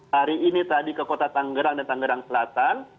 hari ini ke kota tanggerang dan tanggerang selatan